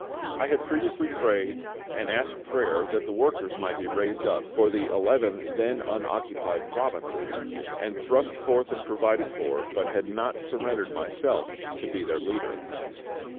I had previously prayed, and asked prayer, that workers might be raised up for the eleven then unoccupied provinces, and thrust forth and provided for, but had not surrendered myself to be their leader.